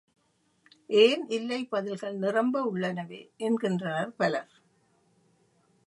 ஏன் இல்லை பதில்கள் நிரம்ப உள்ளனவே, என்கின்றனர் பலர்.